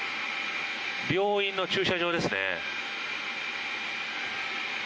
病院の駐車場です。